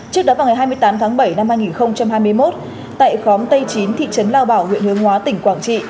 trước đó vào ngày hai mươi tám tháng bảy năm hai nghìn hai mươi một tại khóm tây chín thị trấn lao bảo huyện hướng hóa tỉnh quảng trị